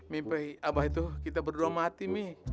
mimpi abah itu kita berdoa mati nih